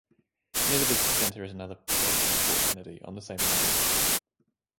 Near the Visitor Center is another station at Port Kennedy, on the same line.